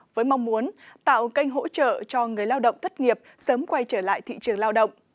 với mong muốn tạo kênh hỗ trợ cho người lao động thất nghiệp sớm quay trở lại thị trường lao động